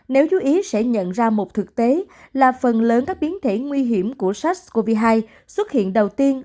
nếu chú ý sẽ nhận ra một thực tế là phần lớn các biến thể nguy hiểm của sars cov hai xuất hiện đầu tiên